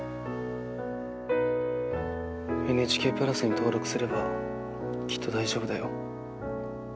ＮＨＫプラスに登録すればきっと大丈夫だよ。